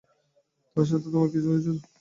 তার সাথে তোমার কিছু হয়েছিল?